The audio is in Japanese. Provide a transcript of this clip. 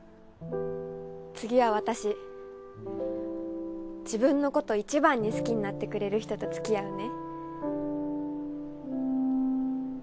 次は私自分のこと一番に好きになってくれる人とつきあうね。